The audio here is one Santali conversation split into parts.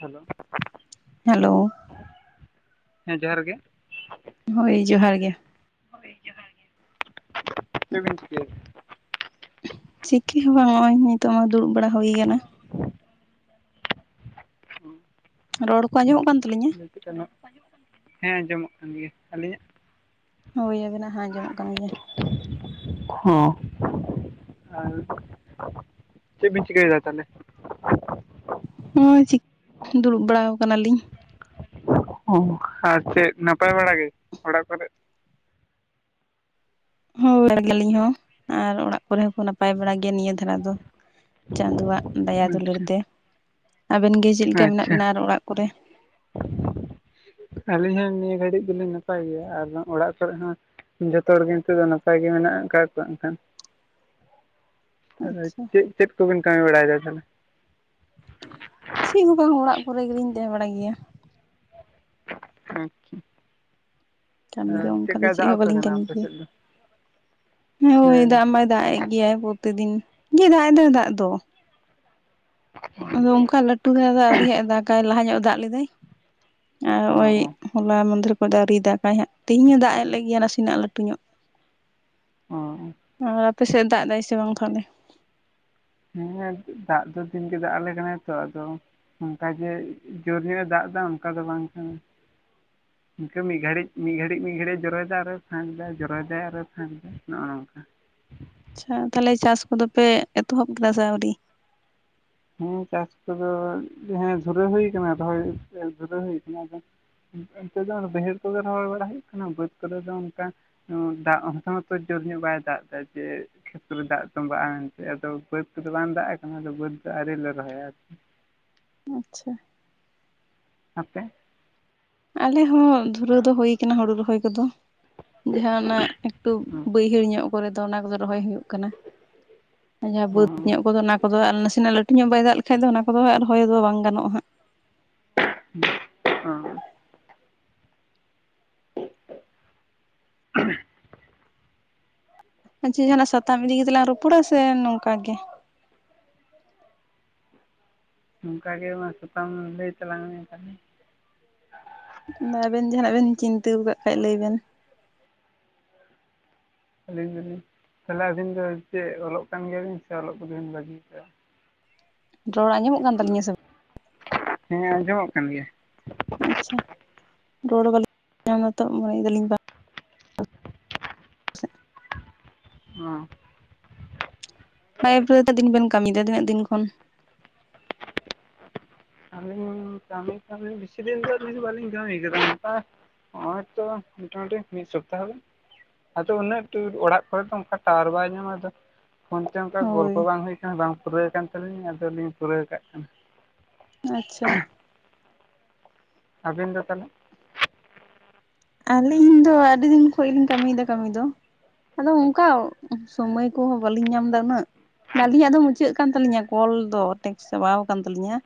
Hello, hello. ᱦᱮᱸ ᱡᱚᱦᱟᱨ ᱜᱮ᱾ ᱦᱳᱭ ᱡᱚᱦᱟᱨ ᱜᱮ᱾ ᱦᱚᱭ ᱡᱚᱦᱟᱨ ᱜᱮ, ᱪᱮᱜ ᱵᱤᱱ ᱪᱤᱠᱟᱭ ᱫᱟ? ᱪᱤᱠᱟᱹ ᱦᱚᱸ ᱵᱟᱝ ᱱᱚᱜᱼᱚᱭ ᱱᱤᱛᱚᱜ ᱢᱟ ᱫᱩᱲᱩᱵ ᱵᱟᱲᱟ ᱦᱩᱭ ᱠᱟᱱᱟ᱾ ᱨᱚᱲ ᱠᱚ ᱟᱸᱚᱢᱚᱜ ᱠᱟᱱ ᱛᱟᱹᱞᱤᱧᱟ? ᱦᱮᱸ ᱟᱸᱡᱚᱢᱚᱜ ᱠᱟᱱ ᱜᱮᱭᱟ, ᱟᱹᱞᱤᱧᱟᱜ? ᱦᱳᱭ ᱟᱹᱵᱤᱱᱟᱜ ᱦᱚᱸ ᱟᱸᱡᱚᱢᱚᱜ ᱠᱟᱱ ᱜᱮᱭᱟ᱾ ᱠᱷᱚᱸ ᱟᱨ ᱪᱮᱜ ᱵᱤᱱ ᱪᱤᱠᱟᱹᱭ ᱫᱟ ᱛᱟᱦᱚᱞᱮ? ᱱᱚᱭ ᱪᱤᱜ ᱫᱩᱲᱩᱵ ᱵᱟᱲᱟᱣ ᱠᱟᱱᱟᱞᱤᱧ᱾ ᱚᱸ ᱟᱨ ᱪᱮᱫ ᱱᱟᱯᱟᱭ ᱵᱟᱲᱟ ᱜᱮ ᱚᱲᱟᱜ ᱠᱚᱨᱮ? ᱦᱳᱭ ᱵᱟᱲᱟ ᱜᱮᱭᱟᱞᱤᱧ ᱦᱚᱸ ᱟᱨ ᱚᱲᱟᱜ ᱠᱚᱨᱮ ᱦᱚᱸᱠᱚ ᱱᱟᱯᱟᱭ ᱵᱟᱲᱟ ᱜᱮᱭᱟ ᱱᱤᱭᱟᱹ ᱫᱷᱟᱨᱟ ᱫᱚ᱾ ᱪᱟᱸᱫᱚᱣᱟᱜ ᱫᱟᱭᱟ ᱫᱩᱞᱟᱹᱲ ᱟᱪᱪᱷᱟ ᱛᱮ, ᱟᱵᱮᱱ ᱜᱮ ᱪᱮᱜ ᱞᱮᱠᱟ ᱢᱮᱱᱟᱜ ᱟᱪᱪᱷᱟ ᱵᱮᱱᱟ ᱟᱨ ᱚᱲᱟᱜ ᱠᱚᱨᱮ? ᱟᱹᱞᱤᱧ ᱦᱚᱸ ᱱᱤᱭᱟᱹ ᱜᱷᱟᱹᱲᱤᱜ ᱫᱚᱞᱤᱧ ᱱᱟᱯᱟᱭ ᱜᱮᱭᱟ ᱟᱨ ᱚᱲᱟᱜ ᱠᱚᱨᱮ ᱦᱚᱸ ᱡᱚᱷᱛᱚ ᱦᱚᱲᱜᱮ ᱱᱤᱛᱚᱜ ᱫᱚ ᱱᱟᱯᱟᱭ ᱜᱮ ᱢᱮᱱᱟᱜ ᱟᱠᱟᱜ ᱠᱚᱣᱟ ᱮᱱᱠᱷᱟᱱ᱾ ᱛᱟᱦᱚᱞᱮ ᱟᱪᱪᱷᱟ ᱪᱮᱜ ᱪᱮᱫ ᱠᱚᱵᱤᱱ ᱠᱟᱹᱢᱤ ᱵᱟᱲᱟᱭᱫᱟ ᱛᱟᱦᱚᱞᱮ? ᱪᱮᱜ ᱦᱚᱸ ᱵᱟᱝ ᱚᱲᱟᱜ ᱠᱚᱨᱮ ᱜᱮᱞᱤᱧ ᱛᱟᱦᱮᱸ ᱵᱟᱲᱟᱜ ᱜᱮᱭᱟ᱾ ᱟᱪᱪᱷᱟ, ᱠᱟᱹᱢᱤ ᱫᱚ ᱚᱱᱠᱟ ᱫᱚ ᱪᱮᱫ ᱦᱚᱸ ᱵᱟᱹᱞᱤᱧ ᱠᱟᱹᱢᱤ ᱟᱯᱮ ᱜᱮᱭᱟ᱾ ᱥᱮᱫ ᱫᱚ ᱦᱮᱸ ᱦᱳᱭ ᱫᱟᱜᱽ ᱫᱟᱜᱽ ᱮᱜ ᱜᱮᱭᱟᱭ ᱯᱨᱚᱛᱤ ᱫᱤᱱ ᱜᱮ ᱫᱟᱜᱽ ᱮᱫᱟᱭ ᱫᱟᱜᱽ ᱫᱚ᱾ ᱟᱫᱚ ᱚᱱᱠᱟ ᱞᱟᱹᱴᱩ ᱫᱷᱟᱨᱟ ᱫᱚ ᱟᱹᱣᱨᱤ ᱦᱟᱸᱜ ᱮ ᱫᱟᱜᱟᱭ ᱞᱟᱦᱟ ᱧᱚᱜ ᱮ ᱫᱟᱜᱽ ᱞᱮᱫᱟᱭ ᱟᱨ ᱚ ᱦᱚᱸᱜᱼᱚᱭ ᱚ ᱦᱚᱞᱟ ᱢᱟᱫᱷᱮᱨ ᱠᱷᱚᱱ ᱫᱚ ᱟᱹᱣᱨᱤ ᱫᱟᱜᱟᱭ ᱦᱟᱸᱜ ᱛᱮᱦᱮᱧ ᱦᱚᱸᱧ ᱫᱟᱜᱽ ᱮ ᱞᱮᱜ ᱜᱮᱭᱟ ᱱᱟᱥᱮᱱᱟᱜ ᱞᱟᱹᱴᱩ ᱧᱚᱜ᱾ ᱦᱚᱸ ᱚ, ᱟᱨ ᱟᱯᱮ ᱥᱮᱜ ᱫᱟᱜᱽ ᱫᱟᱭ ᱥᱮᱵᱟᱝ ᱛᱟᱦᱚᱞᱮ? ᱦᱮᱸ ᱫᱟᱜᱽ ᱫᱚ ᱫᱤᱱ ᱜᱮ ᱫᱟᱜᱽ ᱟᱞᱮ ᱠᱟᱱᱟ ᱛᱚ ᱟᱫᱚ ᱚᱝᱠᱟ ᱜᱮ ᱡᱚᱨ ᱧᱚᱜ ᱮ ᱫᱟᱜᱽ ᱫᱟ ᱚᱝᱠᱟ ᱫᱚ ᱵᱟᱝ ᱠᱟᱱᱟ᱾ ᱤᱱᱠᱟᱹ ᱢᱤᱜ ᱜᱷᱟᱹᱲᱤᱜ ᱢᱤᱜ ᱜᱷᱟᱹᱲᱤᱡᱹᱜ ᱢᱤᱜ ᱜᱷᱟᱹᱲᱤᱜ ᱡᱚᱨᱚᱭᱟᱭ ᱟᱨ ᱯᱷᱟᱸᱠᱫᱟᱭ ᱡᱚᱨᱚᱭ ᱫᱟᱭ ᱟᱨᱚ ᱯᱷᱟᱸᱠᱫᱟᱭ ᱱᱚᱜᱼᱚ ᱱᱚᱝᱠᱟ᱾ ᱟᱪᱪᱷᱟ ᱛᱟᱦᱚᱞᱮ ᱪᱟᱥ ᱠᱚᱫᱚ ᱯᱮ ᱮᱛᱚᱦᱚᱵ ᱠᱮᱫᱟ ᱥᱮ ᱟᱹᱣᱨᱤ? ᱦᱮᱸ ᱪᱟᱥ ᱠᱚᱫᱚ ᱦᱮᱸ ᱫᱷᱩᱨᱟᱹᱣ ᱦᱩᱭ ᱠᱟᱱᱟ ᱫᱚᱦᱚᱭ ᱡᱩᱨᱟᱹᱣ ᱦᱩᱭ ᱠᱟᱱᱟ ᱟᱫᱚ ᱚᱱᱛᱮ ᱫᱚ ᱚᱱᱮ ᱵᱟᱹᱭᱦᱟᱹᱲ ᱠᱚᱜᱮ ᱨᱚᱦᱚᱭ ᱵᱟᱲᱟ ᱦᱩᱭᱩᱜ ᱠᱟᱱᱟ ᱵᱟᱹᱫᱽ ᱠᱚᱨᱮ ᱫᱚ ᱚᱱᱠᱟ ᱚᱸ ᱫᱟᱜᱽ ᱦᱚᱛᱚ ᱢᱟᱛᱚ ᱡᱳᱨ ᱧᱚᱜ ᱵᱟᱭ ᱫᱟᱜᱽ ᱫᱟ ᱡᱮ ᱠᱷᱮᱛᱨᱮ ᱫᱟᱜᱽ ᱛᱚᱸᱢᱵᱟᱜᱼᱟ ᱢᱮᱱᱛᱮ ᱟᱫᱚ ᱵᱟᱹᱫᱽ ᱱᱚᱛᱮ ᱫᱚ ᱵᱟᱝ ᱫᱟᱜᱽ ᱟᱠᱟᱱᱟ ᱵᱟᱹᱫᱽ ᱫᱚ ᱟᱹᱣᱨᱤ ᱞᱮ ᱨᱚᱦᱚᱭᱟ ᱟᱨᱠᱤ᱾ ᱟᱪᱪᱷᱟ, ᱟᱯᱮ? ᱟᱞᱮ ᱦᱚᱸ ᱫᱷᱩᱨᱟᱹᱣ ᱫᱚ ᱦᱩᱭ ᱠᱟᱱᱟ ᱦᱩᱲᱩ ᱨᱚᱦᱚᱭ ᱠᱚᱫᱚ᱾ ᱡᱟᱦᱟᱸ ᱚᱱᱟ ᱮᱠᱴᱩ ᱚ ᱵᱟᱹᱭᱦᱟᱹᱲ ᱧᱚᱜ ᱠᱚᱨᱮ ᱫᱚ ᱚᱱᱟ ᱠᱚᱫᱚ ᱨᱚᱦᱚᱭ ᱦᱩᱭᱩᱜ ᱠᱟᱱᱟ᱾ ᱡᱟᱦᱟᱸ ᱚ ᱵᱟᱹᱫᱽ ᱧᱚᱜ ᱠᱚᱫᱚ ᱚᱱᱟ ᱠᱚᱫᱚ ᱟᱨ ᱱᱟᱥᱮᱱᱟᱜ ᱞᱟᱹᱴᱩ ᱧᱚᱜ ᱵᱟᱭ ᱫᱟᱜᱽ ᱞᱮᱠᱷᱟᱭ ᱫᱚ ᱚᱱᱟ ᱠᱚᱫᱚ ᱟᱨ ᱨᱚᱦᱚᱭ ᱫᱚ ᱵᱟᱝ ᱜᱟᱱᱚᱜᱼᱟ ᱦᱟᱸᱜ᱾ ᱚᱸ [unintelligible] ᱟ ᱪᱮᱫ ᱡᱟᱦᱟᱱᱟᱜ ᱥᱟᱛᱟᱢ ᱤᱫᱤᱜ ᱠᱟᱛᱮ ᱞᱟᱝ ᱨᱚᱯᱚᱲᱟ ᱥᱮ ᱱᱚᱝᱠᱟ ᱜᱮ? ᱚᱱᱠᱟ ᱜᱮ ᱢᱟ ᱥᱟᱠᱟᱢ ᱞᱟᱹᱭ ᱛᱟᱞᱟᱝ ᱢᱮ ᱚᱱᱠᱟᱜᱤ᱾ ᱟᱫᱚ ᱟᱵᱮᱱ ᱡᱟᱦᱱᱟᱜ ᱵᱮᱱ ᱪᱤᱱᱛᱟᱹᱣ ᱟᱠᱟᱫ ᱠᱷᱟᱱ ᱫᱚ ᱞᱟᱹᱭ ᱵᱮᱱ᱾ ᱟᱹᱞᱤᱧ ᱫᱚᱞᱤᱧ, ᱛᱟᱦᱚᱞᱮ ᱟᱹᱵᱤᱱ ᱫᱚ ᱪᱮᱫ ᱚᱞᱚᱜ ᱠᱟᱱ ᱜᱮᱭᱟᱵᱤᱱ ᱥᱮ ᱚᱞᱚᱜ ᱠᱚᱫᱚᱵᱤᱱ ᱵᱷᱟᱜᱤᱠᱟᱜ-ᱟ? ᱨᱚᱲ ᱟᱸᱡᱚᱢᱚᱜ ᱠᱟᱱ ᱛᱟᱹᱞᱤᱧᱟ ᱥᱮ ᱵᱟᱝ? ᱦᱮᱸ ᱟᱸᱡᱚᱢᱚᱜ ᱠᱟᱱ ᱜᱮᱭᱟ᱾ ᱟᱪᱷᱟ ᱨᱚᱲ ᱵᱟᱞᱤ [inaudible] ᱧᱟᱢ ᱫᱟ ᱛᱚ ᱢᱚᱱᱮᱭ ᱫᱟᱞᱤᱧ ᱵᱟ᱾ [unintelligible] ᱚᱸ᱾ ᱱᱚᱣᱟ ᱟᱯ ᱨᱮ ᱛᱤᱱᱟᱜ ᱫᱤᱱ ᱵᱮᱱ ᱠᱟᱹᱢᱤᱭᱫᱟ ᱛᱤᱱᱟᱹᱜ ᱫᱤᱱ ᱠᱷᱚᱱ? ᱟᱞᱤᱧ ᱠᱟᱹᱢᱤ ᱠᱟᱹᱢᱤ ᱵᱤᱥᱤ ᱫᱤᱱ ᱫᱚ ᱟᱞᱤᱧ ᱫᱚ ᱵᱟᱞᱤᱧ ᱠᱟ. ᱢᱤᱭ ᱠᱟᱫᱟ ᱚᱱᱠᱟ ᱦᱚᱸᱜ-ᱚᱭ ᱛᱚ ᱢᱳᱴᱟᱢᱩᱴᱤ ᱢᱤᱫ ᱥᱚᱯᱛᱟᱦᱚ ᱜᱟᱱ᱾ ᱟᱫᱚ ᱩᱱᱟᱹᱜ ᱴᱩᱨ ᱚᱲᱟᱜ ᱠᱚᱨᱮᱫ ᱫᱚ ᱚᱱᱠᱟ ᱴᱟᱣᱟᱨ ᱵᱟᱭ ᱧᱟᱢᱟ᱾ ᱟᱫᱚ- ᱯᱷᱳᱱ ᱛᱮ ᱚᱱᱠᱟ ᱜᱚᱞᱯᱚ ᱦᱳᱭ ᱵᱟᱝ ᱦᱩᱭ ᱟᱠᱟᱱᱟ ᱵᱟᱝ ᱯᱩᱨᱟᱹᱣ ᱠᱟᱱ ᱛᱟᱹᱞᱤᱧ ᱟᱫᱚᱞᱤᱧ ᱯᱩᱨᱟᱹᱣ ᱠᱟᱜ ᱠᱟᱱᱟ᱾ ᱟᱪᱪᱷᱟ᱾ ᱟᱵᱤᱱ ᱫᱚ ᱛᱟᱦᱚᱞᱮ? ᱟᱹᱞᱤᱧ ᱫᱚ ᱟᱹᱰᱤ ᱫᱤᱱ ᱠᱷᱚᱡ ᱜᱮᱞᱤᱧ ᱠᱟᱹᱢᱤ ᱭᱮᱫᱟ ᱠᱟᱹᱢᱤ ᱫᱚ᱾ ᱟᱫᱚ ᱚᱱᱠᱟ ᱥᱚᱢᱚᱭ ᱠᱚᱦᱚᱸ ᱵᱟᱞᱤᱧ ᱧᱟᱢᱫᱟ ᱩᱱᱟᱹᱜ᱾ ᱜᱟᱹᱞᱤᱧᱟᱜ ᱫᱚ ᱢᱩᱪᱟᱹᱫ ᱠᱟᱱ ᱛᱟᱹᱞᱤᱧᱟ ᱠᱚᱞ ᱫᱚ᱾ ᱴᱮᱠᱥ ᱪᱟᱵᱟᱣ ᱟᱠᱟᱱ ᱛᱟᱹᱞᱤᱧᱟ᱾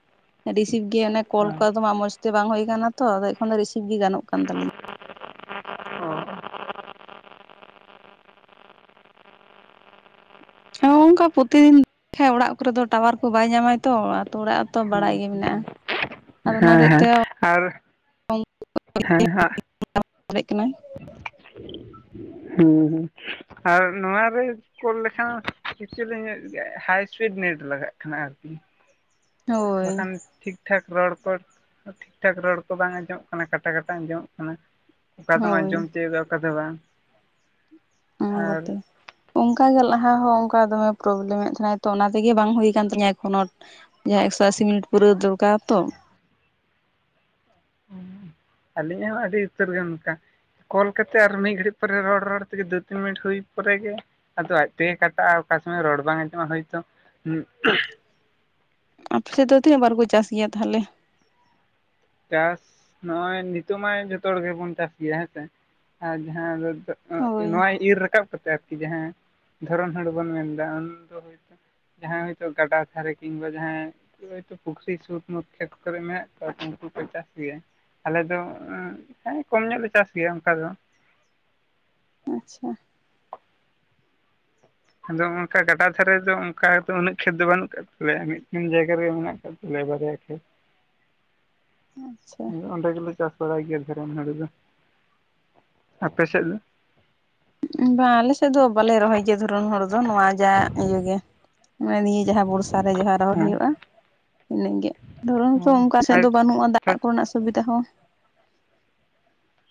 ᱨᱤᱥᱤᱵᱷ ᱜᱮ ᱟᱱᱮ ᱠᱚᱞ ᱠᱚ ᱦᱮᱸ ᱟᱫᱚᱢᱟᱜ ᱢᱚᱸᱡᱽᱛᱮ ᱵᱟᱝ ᱦᱳᱭ ᱟᱠᱟᱱᱟ ᱛᱚ ᱟᱫᱚ ᱮᱠᱷᱚᱱ ᱫᱚ ᱨᱤᱥᱤᱵᱷ ᱜᱮ ᱜᱟᱱᱚᱜ ᱠᱟᱱ ᱛᱟᱞᱤᱧᱟ᱾ ᱦᱮᱸ ᱚᱱᱠᱟ ᱯᱨᱚᱛᱤ ᱫᱤᱱ ᱦᱮᱸ ᱚᱲᱟᱜ ᱠᱚᱨᱮ ᱫᱚ ᱴᱟᱣᱟᱨ ᱠᱚ ᱵᱟᱭ ᱧᱟᱢᱟᱭ ᱛᱚ ᱟᱛᱩ ᱚᱲᱟᱜ ᱨᱮᱛᱚ ᱚ ᱵᱟᱲᱟᱭ ᱜᱮ ᱢᱮᱱᱟᱜ-ᱟ᱾ ᱦᱮᱸ ᱟᱫᱚ ᱚᱱᱟ ᱦᱚᱛᱮᱜ ᱦᱮᱸ ᱛᱮ ᱟᱨ [inaudible] ᱦᱮᱸ ᱦᱟᱸᱜ᱾ [inaudible] ᱫᱟᱲᱮᱜ ᱠᱟᱱᱟᱭ᱾ ᱦᱮᱸ ᱦᱮᱸ᱾ ᱟᱨ ᱱᱚᱣᱟ ᱨᱮ ᱠᱳᱞ ᱞᱮᱠᱷᱟᱱ ᱠᱤᱪᱩᱞᱤᱧ ᱧᱚᱜ ᱜᱮ ᱦᱟᱭ ᱥᱯᱤᱰ ᱱᱮᱴ ᱞᱟᱜᱟᱜ ᱠᱟᱱᱟ ᱟᱨᱠᱤ᱾ ᱦᱳᱭ ᱵᱟᱠᱷᱟᱱ ᱴᱷᱤᱠ ᱴᱷᱟᱠ ᱨᱚᱲ ᱠᱚ ᱴᱷᱤᱠ ᱴᱷᱟᱠ ᱨᱚᱲ ᱠᱚ ᱵᱟᱝ ᱟᱸᱡᱚᱢ ᱠᱟᱱᱟ, ᱠᱟᱴᱟ ᱠᱟᱴᱟ ᱟᱸᱡᱚᱢᱚᱜ ᱠᱟᱱᱟ᱾ ᱚᱠᱟᱫᱟᱢ ᱦᱳᱭ ᱟᱸᱡᱚᱢ ᱛᱤᱭᱳᱜᱟ ᱚᱠᱟ ᱫᱚ ᱵᱟᱝ ᱫᱚ ᱵᱟᱝ᱾ ᱚᱱᱟ ᱜᱚᱛᱮ᱾ ᱚᱱᱠᱟᱜᱮ ᱞᱟᱦᱟ ᱦᱚᱸ ᱚᱱᱠᱟ ᱫᱚᱢᱮ ᱯᱨᱚᱵᱞᱮᱢᱮᱫ ᱛᱟᱦᱮᱱᱟᱭ ᱛᱚ ᱚᱱᱟ ᱛᱮᱜᱮ ᱵᱟᱝ ᱦᱩᱭ ᱟᱠᱟᱱ ᱛᱤᱧᱟᱹ ᱮᱠᱷᱚᱱᱳ᱾ ᱡᱟᱦᱟᱸ ᱮᱠᱥᱚ ᱟᱥᱤ ᱢᱤᱱᱤᱴ ᱯᱩᱨᱟᱹᱣ ᱫᱚᱨᱠᱟᱨ ᱛᱚ᱾ ᱟᱞᱤᱧᱟᱜ ᱦᱚᱸ ᱟᱹᱰᱤ ᱩᱛᱟᱹᱨ ᱜᱮ ᱚᱱᱠᱟ᱾ ᱠᱚᱞ ᱠᱟᱛᱮ ᱟᱨ ᱢᱤᱫ ᱜᱷᱟᱹᱲᱤᱡ ᱯᱚᱨᱮ ᱨᱚᱲ ᱨᱚᱲ ᱛᱮᱜᱮ ᱫᱩ ᱛᱤᱱ ᱢᱤᱱᱤᱴ ᱦᱩᱭ ᱯᱚᱨᱮᱜ ᱜᱮ ᱟᱫᱚ ᱟᱡᱛᱮᱜᱮ ᱠᱟᱴᱟᱜᱼᱟ ᱚᱠᱟ ᱥᱚᱢᱚᱭ ᱨᱚᱲ ᱵᱟᱝ ᱟᱸᱡᱚᱢᱚ-ᱟ ᱦᱳᱭᱛᱚ᱾ ᱟᱯᱮ ᱥᱮᱫ ᱫᱚ ᱛᱤᱱᱟᱹᱜ ᱵᱟᱨ ᱠᱚ ᱪᱟᱥ ᱜᱮᱭᱟ ᱛᱟᱦᱚᱞᱮ? ᱪᱟᱥ ᱱᱟᱜ-ᱚᱭ ᱱᱤᱛᱚᱜ ᱢᱟ ᱡᱚᱛᱚ ᱦᱚᱲ ᱜᱮᱵᱚᱱ ᱪᱟᱥ ᱜᱮᱭᱟ ᱦᱮᱸᱥᱮ ᱟᱨ ᱡᱟᱦᱟᱸ ᱫᱚ ᱦᱳᱭ ᱱᱚᱣᱟ ᱤᱨᱻ ᱨᱟᱠᱟᱵ ᱠᱟᱛᱮ ᱟᱨᱠᱤ ᱡᱟᱦᱟᱸ ᱫᱷᱚᱨᱚᱱ ᱦᱩᱲᱩ ᱵᱚᱱ ᱢᱮᱱ ᱮᱫᱟ ᱟᱱᱟ ᱫᱚ ᱡᱟᱦᱟᱸᱭ ᱦᱳᱭᱛᱳ ᱜᱟᱰᱟ ᱫᱷᱟᱨᱮ ᱠᱤᱝᱵᱟ ᱡᱟᱦᱟᱸᱭ ᱡᱮ ᱦᱳᱭᱛᱚ ᱯᱩᱠᱷᱨᱤ ᱥᱩᱛ ᱧᱟᱜ ᱠᱷᱮᱛ ᱠᱚᱨᱮᱜ ᱢᱮᱱᱟᱜ ᱠᱟᱣᱟ ᱛᱚ ᱩᱱᱠᱩ ᱠᱚ ᱪᱟᱥ ᱜᱮᱭᱟ᱾ ᱟᱞᱮ ᱫᱚ ᱩᱸ ᱦᱮᱸ ᱠᱚᱢ ᱧᱚᱜ ᱞᱮ ᱪᱟᱥ ᱜᱮᱭᱟ ᱚᱱᱠᱟ ᱫᱚ᱾ ᱟᱪᱪᱷᱟ᱾ ᱟᱫᱚ ᱚᱱᱠᱟ ᱜᱟᱰᱟ ᱫᱷᱟᱨᱮ ᱫᱚ ᱚᱱᱠᱟ ᱫᱚ ᱩᱱᱟᱹᱜ ᱠᱷᱮᱛ ᱫᱚ ᱵᱟᱹᱱᱩᱜ ᱟᱠᱟᱫ ᱛᱟᱞᱮᱭᱟ᱾ ᱢᱤᱫᱴᱮᱱ ᱡᱟᱭᱜᱟ ᱨᱮᱜ ᱢᱮᱱᱟᱜ ᱟᱠᱟᱫ᱾ [unintelligible] [unintelligible] ᱦᱳᱭ ᱚᱸᱰᱮ ᱜᱮᱞᱮ ᱪᱟᱥ ᱵᱟᱲᱟᱭ ᱜᱮᱭᱟ ᱫᱷᱚᱨᱚᱱ ᱦᱩᱲᱩ ᱫᱚ ᱟᱯᱮ ᱥᱮᱜ ᱫᱚ᱾ ᱵᱟᱝ ᱟᱞᱮ ᱥᱮᱜ ᱫᱚ ᱵᱟᱞᱮ ᱨᱚᱦᱚᱭ ᱜᱮᱭᱟ ᱫᱷᱚᱨᱚᱱ ᱦᱚᱲᱩ ᱫᱚ ᱱᱚᱣᱟ ᱡᱟ ᱤᱭᱟᱹ ᱜᱮ ᱱᱚᱜᱚᱭ ᱱᱤᱭᱟᱹ᱾ ᱡᱟᱦᱟ ᱵᱚᱨᱥᱟ ᱨᱮ ᱡᱟᱦᱟ ᱨᱚᱦᱚᱭ ᱦᱮᱸ ᱦᱳᱭᱳᱜ-ᱟ ᱤᱱᱟᱹ ᱜᱮ ᱫᱷᱚᱨᱱ ᱚ ᱨᱮᱫᱚ ᱚᱝᱠᱟ ᱥᱮᱜ ᱟᱨ ᱫᱚ ᱵᱟᱹᱱᱩᱜ-ᱟ ᱫᱟᱜ᱾ ᱫᱟᱜ ᱠᱚᱨᱮᱱᱟᱜ ᱥᱩᱵᱤᱫᱷᱟ ᱦᱚᱸ᱾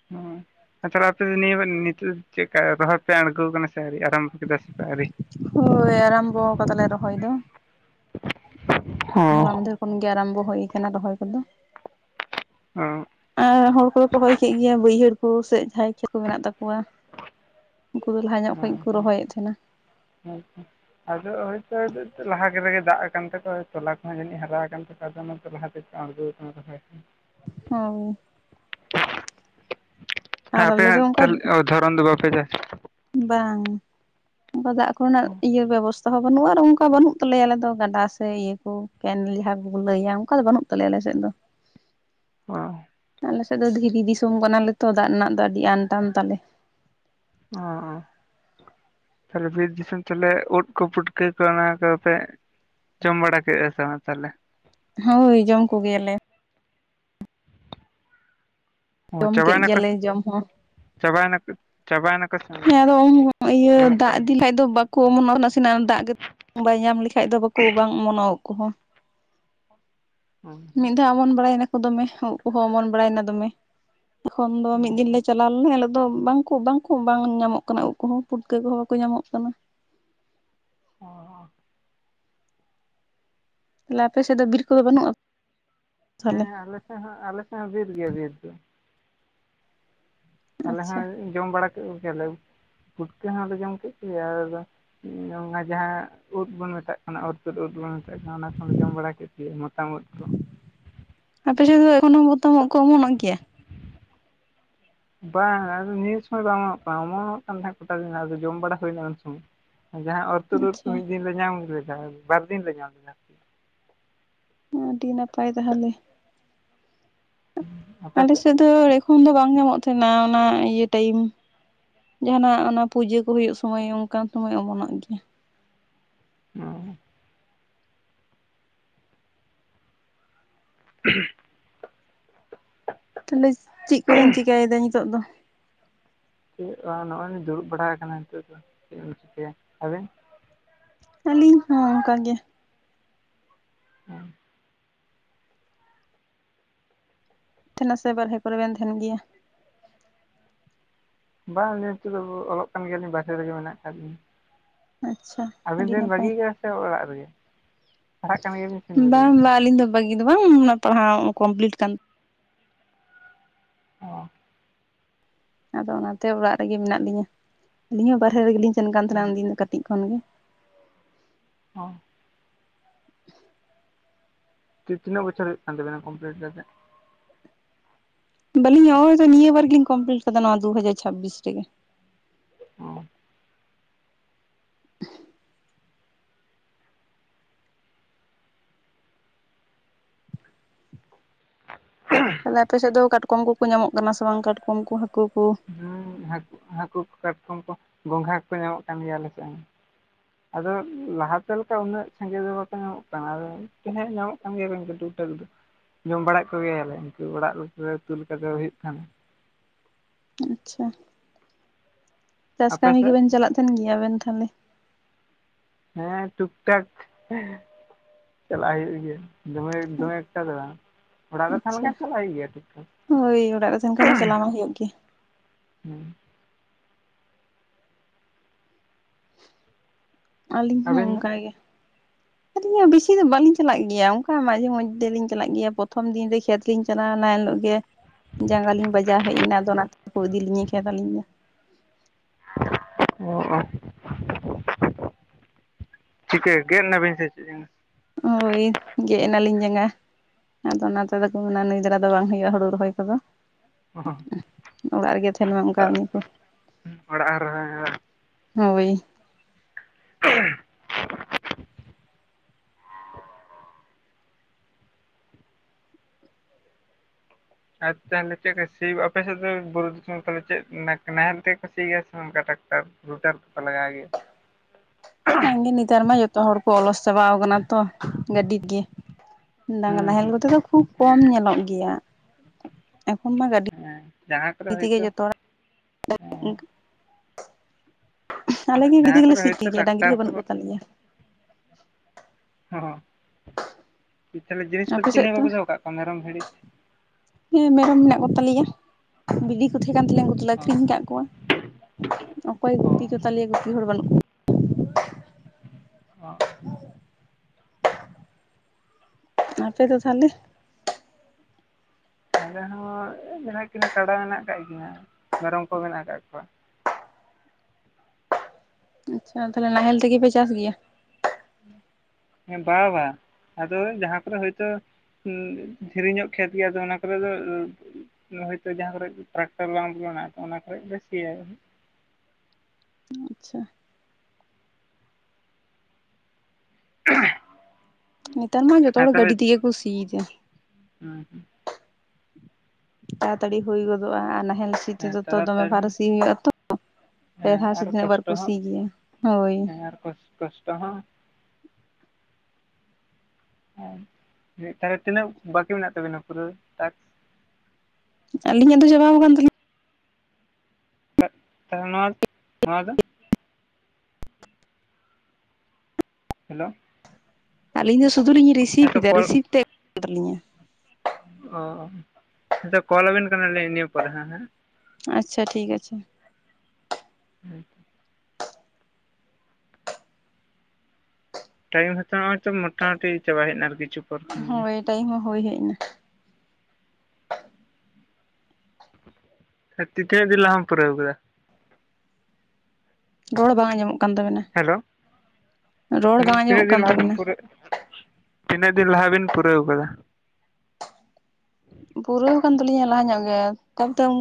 [unintelligible] ᱟᱨ ᱛᱟᱦᱞᱮ ᱟᱯᱮ ᱫᱚ ᱱᱤᱭᱟᱹ ᱱᱤᱛᱳᱜ ᱪᱮᱜᱠᱟ ᱨᱚᱦᱚᱭ ᱯᱮ ᱟᱸᱬᱜᱳ ᱠᱟᱱᱟ ᱥᱮ ᱟᱹᱣᱨᱤ ᱟᱨᱟᱢ ᱠᱮᱫᱟ ᱥᱮᱯᱮ ᱟᱣᱨᱤ᱾ ᱦᱳᱭ ᱟᱨᱟᱢᱵᱚ ᱠᱟᱫᱟᱞᱮ ᱨᱚᱦᱚᱭ ᱫᱚ ᱦᱚᱸ ᱦᱚᱞᱟ ᱢᱚᱫᱷᱮᱨ᱾ ᱠᱷᱚᱱ ᱜᱮ ᱟᱨᱟᱢᱵᱚ ᱦᱳᱭ ᱠᱟᱱᱟ ᱨᱚᱦᱚᱭ ᱠᱚᱫᱚ᱾ [unintelligible] ᱟᱨ ᱦᱚᱲ ᱠᱚᱫᱚ ᱠᱚ ᱨᱚᱦᱚᱭ ᱠᱮᱜ ᱜᱮᱭᱟ ᱵᱟᱹᱭᱦᱟᱹᱲ ᱠᱩ ᱥᱮ ᱡᱟᱸᱦᱟᱭ ᱠᱷᱮ ᱠᱩ ᱢᱮᱱᱟᱜ ᱛᱟᱠᱚᱣᱟ᱾ ᱩᱱᱠᱩ ᱫᱚ ᱞᱟᱦᱟ ᱧᱚᱜ ᱠᱷᱚᱱ ᱜᱮᱠᱚ ᱨᱚᱦᱚᱭᱮᱜ ᱛᱟᱦᱮᱱᱟ᱾ ᱟᱪᱪᱷᱟ᱾ ᱟᱫᱚ ᱦᱳᱭᱛᱳ ᱞᱟᱦᱟ ᱠᱮᱫᱮ ᱜᱮ ᱫᱟᱜ ᱠᱟᱱ ᱛᱟᱠᱚᱣᱟ ᱛᱚᱞᱟ ᱠᱚᱦᱚᱸ ᱡᱟᱹᱱᱤᱡ ᱦᱟᱨᱟ ᱟᱠᱟᱱ ᱛᱟᱠᱚᱣᱟ ᱟᱫᱚ‌ ᱱᱚᱝᱠ ᱞᱟᱦᱟ᱾ ᱛᱤᱥ ᱯᱮ ᱟᱸᱬᱜᱳ ᱠᱟᱱᱟ ᱛᱟᱞᱦᱮ ᱠᱷᱟᱱ᱾ [unintelligible] ᱟᱨ ᱟᱯᱮ ᱟᱞᱮ ᱫᱚ ᱦᱟᱸᱜ ᱚᱱᱠᱟ ᱛᱟᱞ ᱚ ᱫᱷᱚᱨᱚᱱ ᱫᱚ ᱵᱟᱯᱮ ᱪᱟᱥ ᱵᱟᱝ ᱵᱟᱜᱟᱜ ᱟᱠᱚ ᱚᱱᱟ ᱤᱭᱟᱹ ᱵᱚᱥ [unintelligible] ᱵᱟᱹᱱᱩᱜ-ᱟ ᱟᱨ ᱚᱱᱠᱟ ᱵᱟᱱᱩᱜ ᱛᱟᱞᱮᱭᱟ ᱟᱞᱮ ᱫᱚ ᱜᱟᱰᱟ ᱥᱮ ᱤᱭᱟᱹ ᱠᱩ ᱠᱮᱱᱮᱞ ᱡᱟᱦᱟ ᱠᱩ ᱠᱩ ᱞᱟᱹᱭᱟ ᱚᱝᱠᱟ ᱫᱚ ᱵᱟᱱᱩᱜ ᱛᱟᱞᱮᱭᱟ ᱟᱞᱮ ᱥᱮᱜ ᱫᱚ᱾ ᱚ᱾ ᱟᱞᱮ ᱥᱮᱜ ᱫᱚ ᱫᱷᱤᱨᱤ ᱫᱤᱥᱚᱢ ᱠᱟᱱᱟᱞᱮ ᱛᱚ ᱫᱟᱜ ᱨᱮᱱᱟᱜ ᱫᱚ ᱟᱰᱤ ᱟᱱᱴᱟᱱ ᱛᱟᱞᱮ᱾ ᱚ᱾ ᱛᱟᱦᱞᱮ ᱵᱤᱨ ᱫᱤᱥᱚᱢ ᱛᱟᱞᱦᱮ ᱩᱫ ᱠᱚ ᱯᱩᱴᱠᱟᱹ ᱠᱚ ᱚᱱᱟ ᱠᱚᱫᱚ ᱯᱮ᱾ ᱡᱚᱢ ᱵᱟᱲᱟ ᱠᱮᱜ-ᱟ ᱥᱮ ᱵᱟᱝ ᱛᱟᱦᱞᱮ᱾ ᱦᱳᱭ ᱡᱚᱢ ᱠᱚᱜᱮᱭᱟᱞᱮ᱾ ᱦᱚ ᱡᱚᱢ ᱪᱟᱵᱟᱭ ᱠᱮᱫ ᱱᱟᱠᱚ ᱥᱮ ᱜᱮᱭᱟᱞᱮ ᱡᱚᱢ ᱦᱚᱸ ᱪᱟᱵᱟᱭ ᱱᱟᱠᱚ ᱪᱟᱵᱟᱭ ᱱᱟᱠᱚ ᱥᱮ᱾ ᱦᱮᱸ ᱟᱫᱚ ᱩᱱ ᱵᱟᱝ? ᱤᱭᱟᱹ ᱧᱟᱢᱚᱜ ᱫᱟᱜ ᱠᱟᱱ ᱤᱫᱤ ᱜᱮᱭᱟ ᱠᱷᱟᱡ ᱫᱚ ᱵᱟᱠᱩ ᱚᱢᱚᱱᱚᱜ-ᱟ ᱱᱟᱥᱤᱱᱟᱜ ᱫᱟᱜ ᱜᱮ᱾ ᱵᱟᱭ ᱧᱟᱢ ᱞᱮᱠᱷᱟᱡ ᱫᱚ ᱵᱟᱠᱩ ᱵᱟᱝ ᱚᱢᱚᱱᱚᱜ-ᱟ ᱩᱜ ᱠᱚᱦᱚᱸ᱾ [unintelligible] ᱢᱤᱜ ᱫᱷᱟ ᱚᱢᱚᱱ ᱵᱟᱲᱟᱭ ᱱᱟᱠᱩ ᱫᱚᱢᱮ ᱩᱵ ᱠᱚᱦᱚᱸ ᱚᱢᱚᱱ ᱵᱟᱲᱟᱭᱱᱟ ᱫᱚᱢᱮ ᱮᱠᱷᱚᱱ ᱫᱚ ᱢᱤᱜ ᱫᱤᱱ ᱞᱮ ᱚ ᱪᱟᱞ ᱞᱟ ᱞᱮᱱᱟ ᱟᱞᱮ ᱫᱚ ᱵᱟᱝᱠᱩ ᱵᱟᱝᱠᱩ ᱵᱟᱝ ᱧᱟᱢᱚᱜ ᱠᱟᱱᱟ ᱩᱜ ᱠᱚᱦᱚᱸ ᱯᱩᱴᱠᱟᱹ ᱠᱚᱦᱚᱸ ᱵᱟᱠᱩ ᱧᱟᱢᱚᱜ ᱠᱟᱱᱟ᱾ ᱚ᱾ ᱛᱟᱦᱞᱮ ᱟᱯᱮ ᱥᱮᱜ ᱫᱚ ᱵᱤᱨ ᱠᱚᱫᱚ ᱵᱟᱹᱱᱩᱜ-ᱟ? ᱦᱮᱸ ᱟᱞᱮ ᱥᱮᱜ ᱦᱚᱸ ᱟᱞᱮ ᱥᱮᱜ ᱦᱚᱸ ᱵᱤᱨ ᱜᱮᱭᱟ ᱵᱤᱨ ᱫᱚ᱾ ᱟᱞᱮ ᱟᱪᱪᱷᱟ ᱦᱚᱸ ᱡᱚᱢ ᱵᱟᱲᱟ ᱠᱮᱜ ᱠᱚᱜᱮᱭᱟᱞᱮ ᱯᱩᱴᱠᱟᱹ ᱦᱚᱸᱞᱮ ᱡᱚᱢ ᱠᱮᱜ ᱠᱚᱜᱮᱭᱟ ᱟᱞᱮ ᱫᱚ᱾ ᱚᱱᱱᱟ ᱡᱟᱸᱦᱟ᱾ ᱩᱫ ᱵᱚᱱ ᱢᱮᱛᱟᱜ ᱠᱟᱱᱟ ᱚᱨ ᱛᱩᱫ ᱩᱫ ᱵᱚᱱ ᱢᱮᱛᱟᱜ ᱠᱟᱱᱟ ᱚᱱᱟ ᱠᱚᱞᱮ ᱡᱚᱢ ᱵᱟᱲᱟ ᱠᱮᱫ ᱜᱮᱭᱟ ᱢᱚᱛᱟᱢ ᱩᱫ ᱠᱚ᱾ ᱟᱯᱮ ᱥᱮᱱ ᱫᱚ ᱮᱠᱷᱚᱱᱳ ᱢᱚᱛᱟᱢ ᱩᱜ ᱠᱚ ᱚᱢᱚᱱᱚᱜ ᱜᱮᱭᱟ? [inaudible] ᱵᱟᱝ ᱟᱫᱚ ᱱᱤᱭᱟᱹ ᱥᱚᱢᱚᱭ ᱵᱟᱝ ᱚᱢᱚᱱᱚᱜ ᱠᱟᱱᱟ ᱚᱢᱚᱱᱚᱜ ᱠᱟᱱ ᱛᱟᱦᱮ ᱠᱚᱴᱟ ᱫᱤᱱ ᱞᱟᱦᱟ ᱫᱚ ᱡᱚᱢ ᱵᱟᱲᱟ ᱦᱩᱭᱱᱟ ᱩᱱ ᱥᱚᱢᱚᱭ᱾ ᱡᱟᱦᱟ ᱚᱨ ᱛᱩᱫ ᱩᱫ ᱠᱚ ᱟᱪᱪᱷᱟ ᱢᱤᱜ ᱫᱤᱱ ᱞᱮ ᱧᱟᱢ ᱞᱮᱫᱟ ᱵᱟᱨ ᱫᱤᱱ ᱞᱮ ᱧᱟᱢ ᱞᱮᱫᱟ᱾ ᱟᱨᱠᱤ᱾ ᱟᱰᱤ ᱱᱟᱯᱟᱭ ᱛᱟᱦᱞᱮ᱾ ᱟᱯᱮ ᱟᱞᱮ ᱥᱮᱫ ᱥᱮᱜ ᱫᱚ ᱮᱠᱷᱚᱱ ᱫᱚ ᱵᱟᱝ ᱧᱟᱢᱚᱜ ᱛᱟᱦᱮᱱᱟ ᱚᱱᱟ ᱤᱭᱟᱹ ᱴᱟᱭᱤᱢ᱾ ᱡᱟᱦᱟᱱᱟᱜ ᱚᱱᱟ ᱯᱩᱡᱟᱹ ᱠᱚ ᱦᱩᱭᱩᱜ ᱥᱳᱢᱚᱭ ᱚᱱᱠᱟᱱ ᱥᱚᱢᱚᱭ ᱚᱢᱚᱱᱚᱜ ᱜᱮᱭᱟ᱾ ᱚ, [inaudible] ᱪᱤᱫ ᱠᱚᱵᱮᱱ ᱪᱤᱠᱟᱹᱭᱮᱫᱟ ᱱᱤᱛᱚᱜ ᱫᱚ? ᱪᱮᱫ ᱵᱟᱝ ᱱᱚᱜᱚᱭ ᱞᱤᱧ ᱫᱩᱲᱩᱵ ᱵᱟᱲᱟ ᱟᱠᱟᱱᱟ ᱱᱤᱛᱚᱜ ᱫᱚ ᱪᱮᱫ ᱮᱢ ᱪᱤᱠᱟᱹᱭᱟ᱾ ᱟᱵᱮᱱ? ᱟᱹᱞᱤᱧ ᱦᱚᱸ ᱚᱱᱠᱟ ᱜᱮ᱾ ᱦᱮᱸ, ᱛᱟᱦᱮᱸᱱᱟ ᱥᱮ ᱵᱟᱨᱦᱮ ᱠᱚᱨᱮ ᱵᱮᱱ ᱛᱟᱦᱮᱸᱱ ᱜᱮᱭᱟ? ᱵᱟᱝ ᱟᱞᱤᱧ ᱱᱤᱛᱚᱜ ᱫᱚ ᱚᱞᱚᱜ ᱠᱟᱱ ᱜᱮᱭᱟᱞᱤᱧ ᱵᱟᱨᱦᱮ ᱨᱮᱜᱮ ᱢᱮᱱᱟᱜ ᱟᱠᱟᱫ ᱞᱤᱧᱟ᱾ ᱟᱪᱪᱷᱟ, ᱟᱹᱵᱤᱱ ᱟᱹᱰᱤ ᱫᱚᱵᱤᱱ ᱱᱟᱯᱟᱭ ᱵᱟᱹᱜᱤᱭ ᱠᱟᱜᱼᱟ ᱥᱮ ᱚᱲᱟᱜ ᱨᱮᱜᱮ? ᱯᱟᱲᱦᱟᱜ ᱠᱟᱱ ᱜᱮᱭᱟᱵᱤᱱ ᱥᱮᱵᱤᱱ ᱵᱟᱝ ᱵᱟᱹᱜᱤ ᱵᱟᱝ ᱟᱹᱞᱤᱧ ᱫᱚ ᱵᱟᱹᱜᱤ ᱫᱚ ᱵᱟᱝ ᱚᱱᱟ ᱯᱟᱲᱦᱟᱣ ᱠᱚᱢᱯᱞᱤᱴ ᱠᱟᱱ ᱚ ᱟᱫᱚ ᱚᱱᱟᱛᱮ ᱚᱲᱟᱜ ᱨᱮᱜᱮ ᱢᱮᱱᱟᱜ ᱞᱤᱧᱟᱹ ᱟᱞᱤᱧ ᱦᱚᱸ ᱵᱟᱨᱦᱮ ᱨᱮᱜᱮ ᱞᱤᱧ ᱥᱮᱱᱠᱟᱱ ᱛᱟᱦᱮᱸᱱᱟ ᱩᱱ ᱫᱤᱱ ᱫᱚ ᱠᱟᱹᱴᱤᱡ ᱠᱷᱚᱱᱜᱮ᱾ ᱦᱸ, ᱛᱤᱱᱟᱹ ᱵᱚᱪᱷᱚᱨ ᱦᱩᱭᱩᱜ ᱠᱟᱱ ᱛᱟᱵᱮᱱᱟ ᱠᱚᱢᱯᱞᱤᱴ ᱠᱟᱛᱮᱫ? ᱵᱟᱹᱞᱤᱧ ᱱᱚᱜᱚᱭ ᱛᱚ ᱱᱤᱭᱟᱹ ᱵᱟᱨ ᱜᱮᱞᱤᱧ ᱠᱚᱢᱯᱞᱤᱴ ᱠᱟᱫᱟ ᱱᱚᱣᱟ ᱫᱩ ᱦᱟᱡᱟᱨ ᱪᱷᱟᱵᱵᱤᱥ ᱨᱮᱜᱮ᱾ ᱚ ᱛᱟᱦᱚᱞᱮ ᱟᱯᱮ ᱥᱮᱫ ᱫᱚ ᱠᱟᱴᱠᱚᱢ ᱠᱚᱠᱚ ᱧᱟᱢᱚᱜ ᱠᱟᱱᱟ ᱥᱮ ᱵᱟᱝ ᱠᱟᱴᱠᱚᱢ ᱠᱚ, ᱦᱟᱹᱠᱩ ᱠᱚ? ᱦᱮᱸ ᱦᱟᱹᱠᱩ ᱦᱟᱹᱠᱩ ᱠᱟᱴᱠᱚᱢ ᱠᱚ ᱜᱚᱸᱜᱷᱟ ᱠᱚ ᱧᱟᱢᱚᱜ ᱠᱟᱱ ᱜᱮᱭᱟ ᱟᱞᱮ ᱥᱮᱫ ᱦᱚᱸ᱾ ᱟᱫᱚ ᱞᱟᱦᱟ ᱛᱮ ᱞᱮᱠᱟ ᱩᱱᱟᱹᱜ ᱥᱟᱸᱜᱮ ᱫᱚ ᱵᱟᱠᱚ ᱧᱟᱢᱚᱜ ᱠᱟᱱᱟ ᱟᱫᱚ ᱛᱮᱦᱮᱧ ᱧᱟᱢᱚᱜ ᱧᱟᱢ ᱜᱮᱭᱟ ᱠᱚ ᱜᱚᱝᱠᱮ ᱴᱩᱠ ᱴᱟᱠ ᱫᱚ ᱡᱚᱢ ᱵᱟᱲᱟᱮᱫ ᱠᱚᱜᱮᱭᱟᱞᱮ ᱩᱱᱠᱩ ᱚᱲᱟᱜ ᱩᱛᱩ ᱞᱮᱠᱟ ᱫᱚ ᱦᱩᱭᱩᱜ ᱠᱟᱱᱟ᱾ ᱟᱪᱪᱷᱟ, ᱪᱟᱥ ᱟᱯᱮ ᱥᱮᱫ ᱠᱟᱹᱢᱤᱜᱮᱵᱤᱱ ᱪᱟᱞᱟᱜ ᱛᱟᱦᱮᱱ ᱜᱮᱭᱟ ᱟᱵᱮᱱ ᱛᱟᱦᱚᱞᱮ? ᱦᱮᱸ ᱴᱩᱠ ᱴᱟᱠ, ᱪᱟᱞᱟᱜ ᱦᱩᱭᱩᱜ ᱜᱮᱭᱟ ᱫᱚᱢᱮ ᱫᱚᱢᱮ ᱮᱠᱴᱟ ᱫᱚ ᱵᱟᱝ, ᱚᱲᱟᱜ ᱨᱮ ᱟᱪᱪᱷᱟ ᱛᱟᱦᱮᱸᱞᱮᱱᱠᱷᱟᱱ ᱪᱟᱞᱟᱜ ᱦᱩᱭᱩᱜ ᱜᱮᱭᱟ ᱴᱷᱤᱠ ᱴᱷᱟᱠ᱾ ᱦᱳᱭ ᱚᱲᱟᱜ ᱨᱮ ᱛᱟᱦᱮᱱ ᱠᱷᱟᱱ ᱢᱟ ᱪᱟᱞᱟᱣ ᱢᱟ ᱦᱩᱭᱩᱜ ᱜᱮ ᱦᱩᱸ, ᱟᱹᱞᱤᱧ ᱦᱚᱸ ᱟᱵᱮᱱ ᱫᱚ ᱚᱱᱠᱟ ᱜᱮ, ᱟᱹᱞᱤᱧ ᱦᱚᱸ ᱵᱮᱥᱤ ᱫᱚ ᱵᱟᱞᱤᱧ ᱪᱟᱞᱟᱜ ᱜᱮᱭᱟ ᱚᱱᱠᱟ ᱢᱟᱡᱷᱮ ᱢᱚᱫᱽᱷᱮᱤᱧ ᱪᱟᱞᱟᱜ ᱜᱮᱭᱟ ᱯᱨᱚᱛᱷᱚᱢ ᱫᱤᱱ ᱨᱮ ᱠᱷᱮᱛ ᱞᱤᱧ ᱪᱟᱞᱟᱣᱱᱟ ᱮᱱ ᱦᱤᱞᱳᱜ ᱜᱮ ᱡᱟᱸᱜᱟ ᱞᱤᱧ ᱵᱟᱡᱟᱣ ᱦᱮᱡ ᱮᱱᱟ ᱟᱫᱚ ᱚᱱᱟᱛᱮ ᱵᱟᱠᱚ ᱤᱫᱤ ᱞᱤᱧᱟ ᱟᱹᱞᱤᱧ ᱫᱚ, ᱚ ᱪᱤᱠᱟᱹ ᱜᱮᱫ ᱱᱟᱵᱤᱱ ᱥᱮ ᱪᱮᱫ ᱡᱟᱸᱜᱟ? ᱦᱳᱭ ᱜᱮᱫ ᱮᱱᱟᱞᱤᱧ ᱡᱟᱸᱜᱟ᱾ ᱟᱫᱚ ᱚᱱᱟ ᱛᱮᱫᱚ ᱠᱚ ᱢᱮᱱᱟ ᱱᱩᱭ ᱫᱟᱨᱟ ᱫᱚ ᱵᱟᱝ ᱦᱩᱭᱩᱜᱼᱟ ᱦᱩᱲᱩ ᱨᱚᱦᱚᱭ ᱠᱚᱫᱚ, ᱚᱲᱟᱜ ᱨᱮᱜᱮ ᱛᱟᱦᱮᱱ ᱢᱮ ᱚᱱᱠᱟ ᱟᱹᱧᱟ ᱠᱚ, ᱚᱲᱟᱜ ᱨᱮ ᱦᱳᱭ, [unintelligible] ᱟᱨ ᱛᱟᱦᱚᱞᱮ ᱪᱮᱫ ᱠᱟ ᱥᱤ ᱟᱯᱮ ᱥᱮᱫ ᱫᱚ ᱵᱩᱨᱩ ᱫᱤᱥᱚᱢ ᱛᱟᱦᱚᱞᱮ ᱪᱮᱫ ᱱᱟᱦᱮᱞ ᱛᱮᱜᱮ ᱠᱚ ᱥᱤ ᱜᱮᱭᱟ ᱥᱮ ᱚᱱᱠᱟ ᱴᱟᱠᱴᱟᱨ? ᱨᱩᱴᱟᱨ ᱠᱚᱯᱮ ᱞᱟᱜᱟᱣ ᱜᱮᱭᱟ, ᱚᱱᱟᱜᱮ ᱱᱤᱛᱤᱫᱨ ᱢᱟ ᱡᱚ ᱛᱚ ᱦᱚᱲ ᱠᱚ ᱚᱞᱚᱥ ᱪᱟᱵᱟᱣ ᱠᱟᱱᱟ ᱛᱚ ᱜᱟᱹᱰᱤ ᱛᱤ ᱜᱤ, ᱰᱟᱝᱨᱟ ᱦᱮᱸ ᱱᱟᱦᱮᱞ ᱦᱮᱸ ᱠᱚᱛᱮ ᱫᱚ ᱠᱷᱩᱵ ᱠᱚᱢ ᱦᱮᱸ ᱧᱮᱞᱚᱜ ᱜᱮᱭᱟ ᱮᱠᱷᱚᱱ ᱢᱟ ᱜᱟᱹᱰᱤ ᱦᱮᱸ ᱡᱟᱦᱟᱸ ᱠᱚᱨᱮ ᱤ ᱛᱮᱜᱮ ᱦᱳᱭᱛᱳ ᱡᱚᱛᱚ ᱦᱚᱲᱟᱜ [unintelligible] ᱦᱮᱸ ᱟᱞᱮ ᱜᱮ ᱡᱟᱦᱟᱸ ᱜᱟᱹᱵᱤᱛᱮᱜᱮᱞᱮ ᱠᱚᱨᱮ ᱥᱤ ᱦᱳᱭᱛᱳ ᱦᱚᱪᱚᱭ ᱜᱮᱭᱟ ᱰᱟᱝᱨᱤ ᱴᱟᱠᱴᱟᱨ ᱦᱚ ᱠᱚ ᱵᱟᱹᱱᱩᱜ ᱠᱚᱛᱟ ᱞᱮᱭᱟ᱾ ᱦᱚᱸ, ᱛᱟᱦᱚᱞᱮ ᱡᱤᱱᱤᱥᱯᱛᱤ ᱟᱯᱮ ᱪᱤᱞᱤ ᱥᱮᱫ ᱦᱚᱸ ᱫᱚ ᱵᱟᱯᱮ ᱫᱚᱦᱚ ᱟᱠᱟᱜ ᱠᱚᱣᱟ ᱢᱮᱨᱚᱢ ᱵᱷᱤᱲᱤ? ᱦᱮᱸ ᱢᱮᱨᱚᱢ ᱢᱮᱱᱟᱜ ᱠᱚᱛᱟᱞᱮᱭᱟ ᱵᱤᱞᱤ ᱠᱚ ᱛᱟᱦᱮᱸ ᱠᱟᱱ ᱛᱟᱞᱮᱭᱟ ᱩᱱᱠᱩ ᱫᱚᱞᱮ ᱚ ᱟᱠᱷᱨᱤᱧ ᱟᱠᱟᱫ ᱠᱚᱣᱟ᱾ ᱚᱠᱚᱭ ᱚ ᱜᱩᱯᱤ ᱠᱚᱛᱟᱞᱮᱭᱟ ᱜᱩᱯᱤ ᱦᱚᱲ ᱵᱟᱹᱱᱩᱜ ᱠᱚᱣᱟ, ᱚ [unintelligible] ᱟᱨ ᱟᱯᱮ ᱫᱚ ᱛᱟᱦᱞᱮ? ᱟᱞᱮ ᱦᱚᱸ ᱢᱮᱱᱟᱜ ᱠᱤᱱᱟᱹ ᱠᱟᱰᱟ ᱢᱮᱱᱟᱜ ᱠᱟᱜ ᱠᱤᱱᱟᱹ ᱢᱮᱨᱚᱢ ᱠᱚ ᱢᱮᱱᱟᱜ ᱠᱟᱜ ᱠᱚᱣᱟ᱾ ᱟᱪᱪᱷᱟ ᱛᱟᱦᱚᱞᱮ ᱱᱟᱦᱮᱞ ᱛᱮᱜᱮ ᱯᱮ ᱪᱟᱥ ᱜᱮᱭᱟ? ᱦᱮ, ᱵᱟ ᱵᱟ᱾ ᱟᱫᱚ ᱡᱟᱦᱟᱸ ᱠᱚᱨᱮ ᱦᱳᱭᱛᱳ ᱫᱷᱤᱨᱤᱧᱚᱜ ᱠᱷᱮᱛ ᱜᱮᱭᱟ ᱟᱫᱚ ᱚᱱᱟ ᱠᱚᱨᱮ ᱫᱚ ᱦᱳᱭᱛᱳ ᱡᱟᱦᱟᱸ ᱠᱚᱨᱮ ᱴᱨᱟᱠᱴᱟᱨ ᱵᱟᱝ ᱵᱚᱞᱚᱱᱟ ᱛᱚ ᱚᱱᱟ ᱠᱚᱨᱮ ᱫᱚ ᱥᱤᱭᱟᱭ᱾ ᱟᱪᱪᱷᱟ᱾ ᱱᱮᱛᱟᱨ ᱢᱟ ᱡᱚᱛᱚ ᱦᱚᱲ ᱜᱟᱹᱰᱤ ᱛᱮᱜᱮ ᱠᱚ ᱥᱤᱭᱮᱫᱟ᱾ ᱦᱮᱸ ᱦᱮᱸ᱾ ᱛᱟᱲᱟᱛᱟᱹᱲᱤ ᱦᱩᱭ ᱜᱚᱫᱚᱜᱼᱟ ᱟᱨ ᱱᱟᱦᱮᱞ ᱱᱟᱦᱮᱞ ᱛᱮᱫᱚ ᱛᱚ ᱫᱚᱢᱮ ᱛᱟᱲᱟᱛᱟᱲᱤ ᱵᱟᱨ ᱦᱚᱸ ᱥᱤ ᱦᱩᱭᱩᱜ-ᱟ ᱛᱚ ᱯᱮ ᱦᱮᱸ ᱫᱷᱟᱣ ᱥᱮ ᱟᱨ ᱛᱤᱱᱟᱹᱜ ᱵᱟᱨ ᱠᱚᱥᱴᱚ ᱠᱚ ᱥᱤ ᱦᱚᱸ ᱜᱤᱭᱟ, ᱦᱳᱭ᱾ ᱦᱮᱸ ᱟᱨ ᱠᱚ ᱠᱚᱥᱴᱚ ᱦᱚ᱾ ᱛᱟᱦᱚᱞᱮ ᱛᱤᱱᱟᱹᱜ ᱵᱟᱹᱠᱤ ᱢᱮᱱᱟᱜ ᱛᱟᱵᱤᱱᱟ ᱯᱩᱨᱟᱹ ᱴᱟᱠᱥ? ᱟᱹᱞᱤᱧᱟᱜ ᱫᱚ ᱪᱟᱵᱟᱣ ᱠᱟᱱ ᱛᱟᱹᱞᱤᱧᱟ᱾ ᱛᱟᱦᱚᱞᱮ ᱱᱚᱣᱟ ᱱᱚᱣᱟ ᱫᱚ? ᱦᱮᱞᱳ᱾ ᱟᱞᱤᱧ ᱫᱚ ᱥᱩᱫᱩ ᱞᱤᱧ ᱨᱤᱥᱤᱵ ᱦᱮᱸᱛᱚ ᱮᱫᱟ ᱠᱚᱞ ᱨᱤᱥᱤᱵᱷ ᱛᱮᱱ ᱜᱟᱱᱚᱜ ᱠᱟᱱ ᱛᱟᱞᱤᱧᱟ᱾ ᱚ ᱚ ᱦᱮᱛᱚ ᱠᱚᱞ ᱟᱵᱤᱱ ᱠᱟᱱᱟᱞᱮ ᱱᱤᱭᱟᱹ ᱯᱚᱨᱮ ᱦᱟᱸᱜ ᱦᱮᱸ᱾ ᱟᱪᱪᱷᱟ, ᱴᱷᱤᱠ ᱟᱪᱷᱮ᱾ [inaudible] ᱴᱟᱭᱤᱢᱛ ᱦᱚᱛᱚ ᱦᱚᱜ-ᱚᱭ ᱛᱚ ᱢᱚᱴᱟᱩᱴᱤ ᱪᱟᱵᱟ ᱦᱮᱡᱱᱟ ᱟᱨ ᱠᱤᱪᱷᱩ᱾ ᱯᱚᱨ ᱠᱷᱟᱱ ᱜᱮ ᱦᱳᱭ, ᱴᱟᱭᱤᱢ ᱦᱚ ᱦᱳᱭ ᱦᱮᱡ ᱱᱟ᱾ ᱛᱤᱱᱟᱹᱜ ᱫᱤᱱ ᱞᱟᱦᱟᱢ ᱯᱩᱨᱟᱹᱣ ᱠᱟᱫᱟ? ᱨᱚᱲ ᱵᱟᱝ ᱟᱸᱚᱢᱚᱜ ᱠᱟᱱ ᱛᱟᱵᱮᱱᱟ᱾ ᱦᱮᱞᱳ, ᱨᱚᱲ ᱵᱟᱝ ᱟᱸᱡᱚᱢᱚᱜ ᱛᱤᱱᱟᱹᱜ ᱫᱤᱱ ᱠᱟᱱ ᱞᱟᱦᱟᱵᱤᱱ ᱛᱟᱵᱮᱱᱟ ᱯᱩᱨᱟᱹᱜ? ᱛᱤᱱᱟᱹᱜ ᱫᱤᱱ ᱞᱟᱦᱟ ᱵᱤᱱ ᱯᱩᱨᱟᱹᱣ ᱠᱟᱫᱟ? ᱯᱩᱨᱟᱹᱣ ᱟᱠᱟᱱ ᱛᱟᱹᱞᱤᱧᱟ ᱞᱟᱦᱟ ᱧᱚᱜ ᱜᱮ [unintelligible]